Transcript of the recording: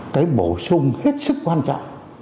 cái bổ sung hết sức quan trọng